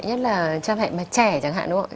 nhất là cha mẹ mà trẻ chẳng hạn đúng không ạ